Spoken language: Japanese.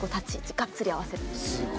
がっつり合わせるんです。